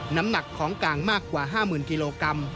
น้ำหนักของกลางมากกว่า๕๐๐๐กิโลกรัม